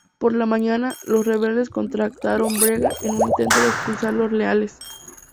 Por la mañana, los rebeldes contraatacaron Brega en un intento de expulsar los leales.